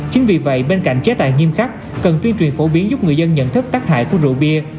chính vì vậy bên cạnh chế tài nghiêm khắc cần tuyên truyền phổ biến giúp người dân nhận thức tác hại của rượu bia